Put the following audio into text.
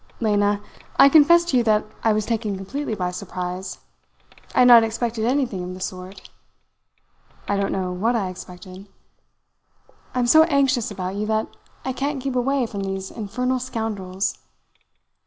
"Lena, I confess to you that I was taken completely by surprise. I had not expected anything of the sort. I don't know what I expected. I am so anxious about you that I can't keep away from these infernal scoundrels.